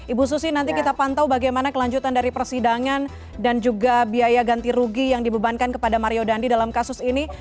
ibu susi nanti kita pantau bagaimana kelanjutan dari persidangan dan juga biaya ganti rugi yang dibebankan kepada mario dandi dalam kasus ini